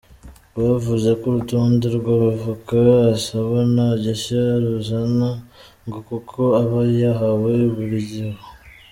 Rwavuze ko urutonde rw’abavoka asaba nta gishya ruzana, ngo kuko abo yahawe baruriho.